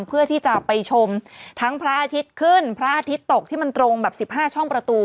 เพื่อที่จะไปชมทั้งพระอาทิตย์ขึ้นพระอาทิตย์ตกที่มันตรงแบบ๑๕ช่องประตู